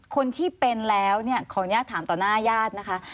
คนที่เป็นแล้วขออย่างนี้ถามต่อหน้าญาตินะคะ